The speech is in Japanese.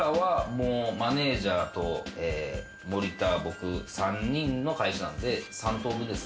マネジャーと森田、僕、３人の会社なんで、３等分です。